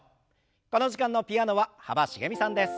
この時間のピアノは幅しげみさんです。